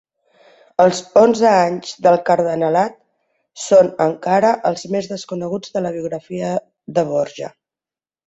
Els onze anys del cardenalat són, encara, els més desconeguts de la biografia de Borja.